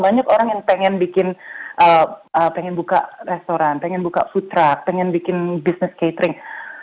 banyak orang yang pengen buka restoran pengen buka food truck pengen bikin bisnis catering